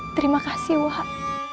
terima kasih wak